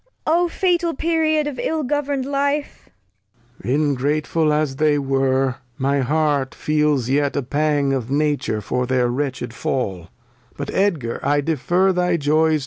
O fatal Period of ill govern'd Life ! Lear. I ngratef uJIas_they were, my Heart feels yet A Pang of Nature for their wretched Fall; ——" ^V^J^' Edgar, I d efer thy J oYg.